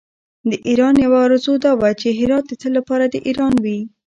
د ایران یوه آرزو دا وه چې هرات د تل لپاره د ایران وي.